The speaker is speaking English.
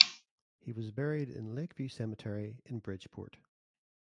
He was buried in Lakeview Cemetery in Bridgeport.